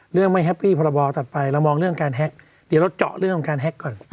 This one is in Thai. เรื่องไม่แฮปปี้พรบถัดไปเรามองเรื่องการแฮ็กเดี๋ยวเราเจาะเรื่องของการแฮ็กก่อน